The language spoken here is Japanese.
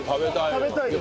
食べたいよ。